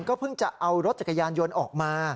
เพิ่งจะเอารถจักรยานยนต์ออกมา